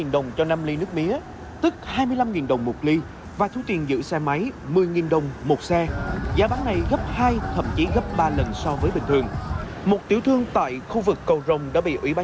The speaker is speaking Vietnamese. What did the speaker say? một trăm sáu mươi đồng cho năm ly nước mía và thu tiền giữ xe máy giá bán này gấp hai thậm chí gấp ba lần so với bình thường một tiểu thương tại khu vực cầu rồng đã bị ủy bán